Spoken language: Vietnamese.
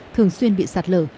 thường xuyên bị sạt lở